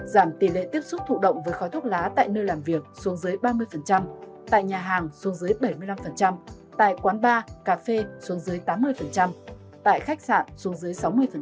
giảm tỷ lệ tiếp xúc thụ động với khói thuốc lá tại nơi làm việc xuống dưới ba mươi tại nhà hàng xuống dưới bảy mươi năm tại quán bar cà phê xuống dưới tám mươi tại khách sạn xuống dưới sáu mươi